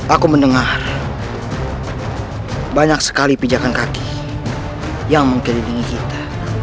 aku mendengar banyak sekali pijakan kaki yang mengkelilingi kita